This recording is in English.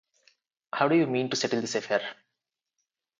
How do you mean to settle this affair?